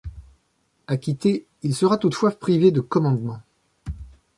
Acquitté, il sera toutefois privé de commandement.